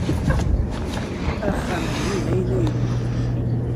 Axxam-nni d ayla-inu.